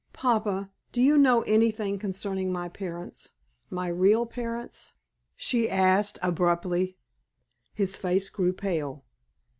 "Papa, do you know anything concerning my parents my real parents?" she asked, abruptly. His face grew pale.